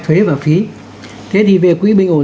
thuế và phí thế thì về quỹ bình ổn